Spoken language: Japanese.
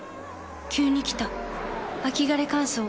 急に来た秋枯れ乾燥。